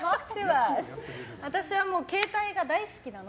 私は携帯が大好きなの！